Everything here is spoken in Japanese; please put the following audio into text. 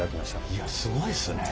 いやすごいですね。